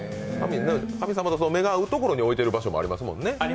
神様と目が合うところに置いてあるところもありますもんね。